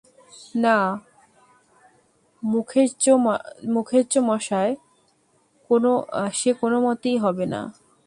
না, মুখুজ্যেমশায়, সে কোনোমতেই হবে না।